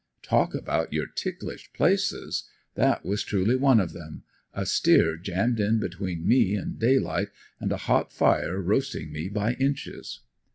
Talk about your ticklish places! That was truly one of them; a steer jammed in between me and daylight, and a hot fire roasting me by inches.